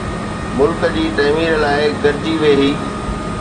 ملڪ جي تعمير لاءِ گڏجي ويھي.